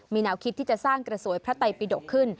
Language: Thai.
มีแนวคิดที่จะสร้างกระสวยพระไตปิดกขึ้น